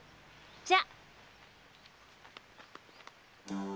じゃ！